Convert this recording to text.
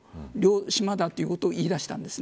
島だということを言いだしたんです。